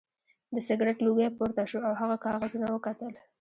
د سګرټ لوګی پورته شو او هغه کاغذونه وکتل